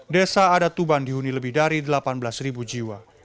desa adatuban dihuni lebih dari delapan belas jiwa